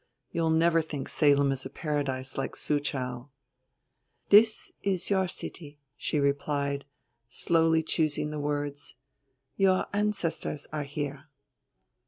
You'll never think Salem is a paradise like Soochow." "This is your city," she replied, slowly choosing the words. "Your ancestors are here."